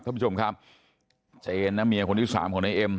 ท่านผู้ชมครับเจนนะเมียคนที่สามของนายเอ็ม